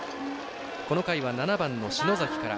この回は７番の篠崎から。